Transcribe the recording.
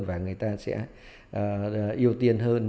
và người ta sẽ yêu tiên hơn